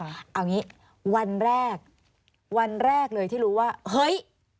เอางี้วันแรกวันแรกเลยที่รู้ว่าเฮ้ย